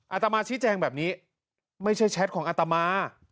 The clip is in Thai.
อาตมาชี้แจงแบบนี้ไม่ใช่แชทของอัตมา